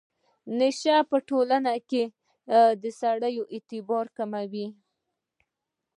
نشه په ټولنه کې د سړي اعتبار کموي.